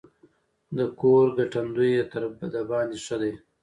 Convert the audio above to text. د کور ګټندويه تر دباندي ښه دی.